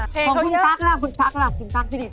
เพลงของคุณพรรคล่ะคุณพรรคสิริพร